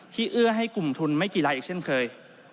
เอื้อให้กลุ่มทุนไม่กีฬาอีกเช่นเคย